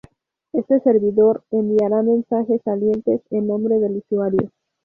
Este servidor enviará mensajes salientes en nombre del usuario.